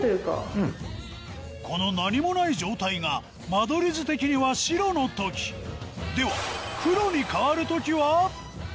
この何もない状態が間取り図的には白の時では黒に変わる時は？